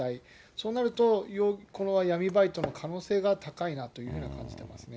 そうなると、これは闇バイトの可能性が高いなというふうな形ですね。